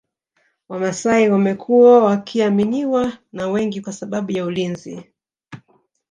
wamasai wamekuwa wakiaminiwa na wengi kwa sababu ya ulinzi